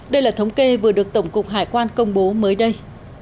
đây là thống kê vừa được tổng cục hải quan công bố mới đây